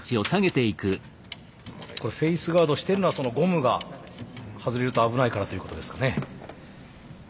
これフェースガードしてるのはゴムが外れると危ないからということですかね。